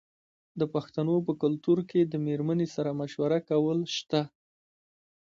د پښتنو په کلتور کې د میرمنې سره مشوره کول شته.